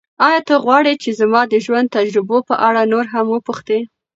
ایا ته غواړې چې زما د ژوند د تجربو په اړه نور هم وپوښتې؟